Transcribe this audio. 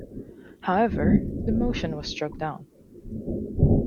However, the motion was struck down.